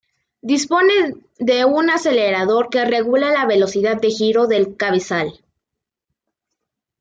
Disponen de un acelerador que regula la velocidad de giro del cabezal.